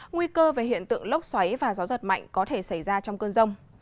nguy cơ về hiện tượng lốc xoáy và gió giật mạnh có thể xảy ra trong cơn rông